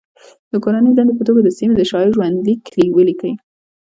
د کورنۍ دندې په توګه د سیمې د شاعر ژوند لیک ولیکئ.